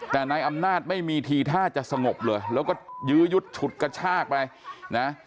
แต่นายอำนาจไม่มีทีท่าจะสงบเลยแล้วก็ยื้อยุดฉุดกระชากไปนะ